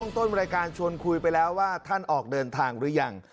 ต้นรายการชวนคุยไปแล้วว่าท่านออกเดินทางหรือยัง